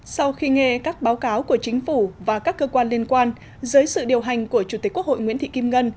sau khi nghe các báo cáo của chính phủ và các cơ quan liên quan dưới sự điều hành của chủ tịch quốc hội nguyễn thị kim ngân